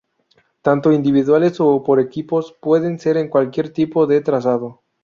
Tanto individuales o por equipos pueden ser en cualquier tipo de trazado.